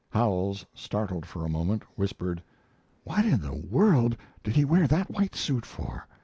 Howells, startled for a moment, whispered: "What in the world did he wear that white suit for?"